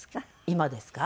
今ですか？